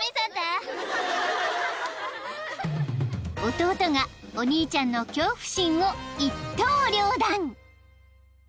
［弟がお兄ちゃんの恐怖心を一刀両断］